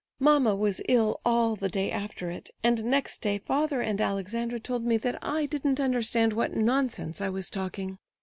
Mamma was ill all the day after it, and next day father and Alexandra told me that I didn't understand what nonsense I was talking.